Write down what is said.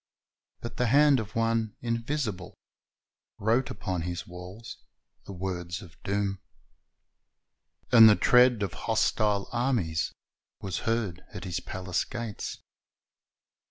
But the hand of One invisible wrote upon his Avails the words of doom, and the tread of hostile armies was heard at his palace gates.